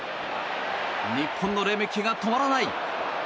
日本のレメキが止まらない！